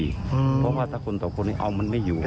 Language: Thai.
เพราะว่าถ้าคนสองคนนี้เอามันไม่อยู่